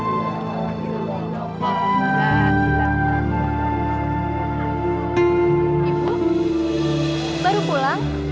ibu baru pulang